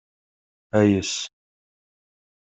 Ayes.